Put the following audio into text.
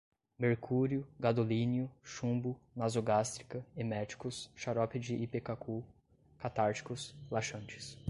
mercúrio, gadolínio, chumbo, nasogástrica, eméticos, xarope de Ipecacu, catárticos, laxantes